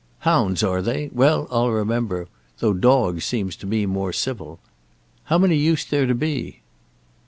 "Hounds are they? Well; I'll remember; though 'dogs' seems to me more civil. How many used there to be?"